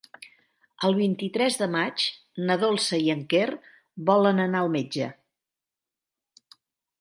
El vint-i-tres de maig na Dolça i en Quer volen anar al metge.